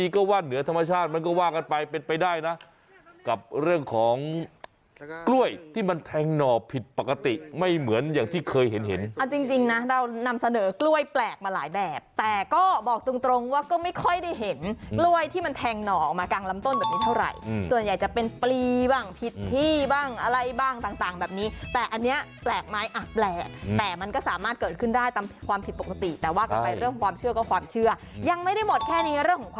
กับเรื่องของกล้วยที่มันแทงหน่อผิดปกติไม่เหมือนอย่างที่เคยเห็นจริงนะเรานำเสนอกล้วยแปลกมาหลายแบบแต่ก็บอกตรงว่าก็ไม่ค่อยได้เห็นรวยที่มันแทงหน่อมากลางลำต้นเท่าไหร่ส่วนใหญ่จะเป็นปรีบ้างพิธีบ้างอะไรบ้างต่างแบบนี้แต่อันนี้แปลกไม้อันแปลแต่มันก็สามารถเกิดขึ้นได้ตามความผิ